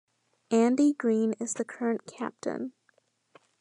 Andy Greene is the current captain.